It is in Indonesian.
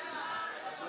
terima kasih banyak